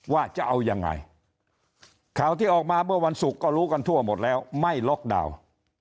ว่าจะเอายังไงข่าวที่ออกมาเมื่อวันศุกร์ก็รู้กันทั่วหมดแล้วไม่ล็อกดาวน์